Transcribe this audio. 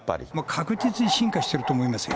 確実に進化していると思いますよ。